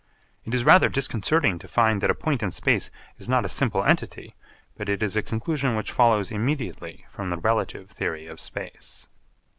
It is rather disconcerting to find that a point in space is not a simple entity; but it is a conclusion which follows immediately from the relative theory of space.